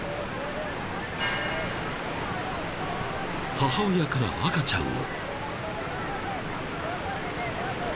［母親から赤ちゃんを］